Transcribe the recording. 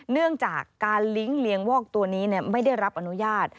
เนื่องจากการลิงก์เลี้ยงวอกตัวนี้ไม่ได้รับอนุญาต